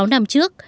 sáu năm trước